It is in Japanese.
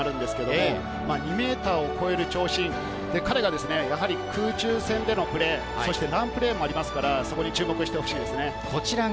２ｍを超える長身、彼の空中戦でのプレー、ランプレーもありますから、そこに注目してほしいです。